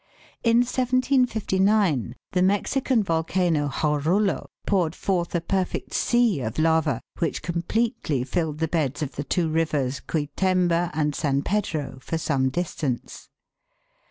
In 1759, the Mexican volcano Jorullo poured forth a perfect sea of lava which completely filled the beds of the two rivers Cuitemba and San Pedro for some distance.